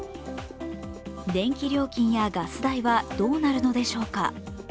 電気料金やガス代はどうなるのでしょうか？